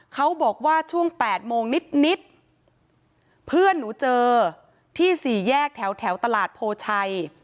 เขาบอกว่าช่วง๘โมงนิดเพื่อนหนูเจอที่สี่แยกแถวตลาดโพชัย